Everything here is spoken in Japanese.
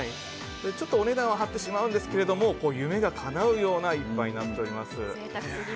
ちょっとお値段は張ってしまうんですけど夢がかなうような１杯になっております。